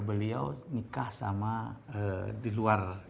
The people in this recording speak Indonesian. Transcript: beliau nikah sama di luar